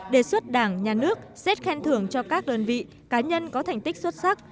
đề xuất đảng nhà nước xét khen thưởng cho các đơn vị cá nhân có thành tích xuất sắc